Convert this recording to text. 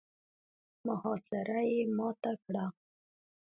محاصره يې ماته کړه.